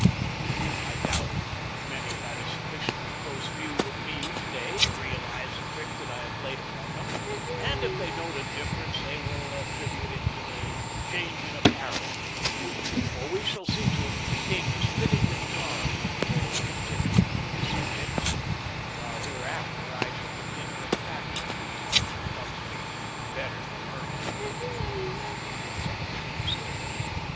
"I doubt if many had a sufficiently close view of me today to realize the trick that I have played upon them, and if they note a difference they will attribute it to the change in apparel, for we shall see to it that the king is fittingly garbed before we exhibit him to his subjects, while hereafter I shall continue in khaki, which becomes me better than ermine." Butzow shook his head.